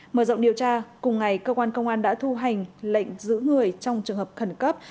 mở rộng điều tra cùng ngày cơ quan công an đã thu hành lệnh giữ người trong trường hợp khẩn cấp